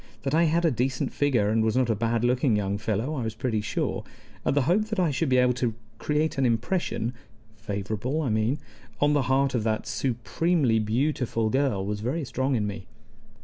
That I had a decent figure, and was not a bad looking young fellow, I was pretty sure; and the hope that I should be able to create an impression (favorable, I mean) on the heart of that supremely beautiful girl was very strong in me.